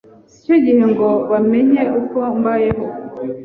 sicyo gihe ngo bamenye uko mbayeho